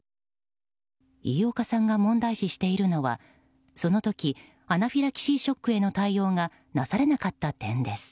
飯岡さんが問題視しているのはその時アナフィラキシーショックへの対応がなされなかった点です。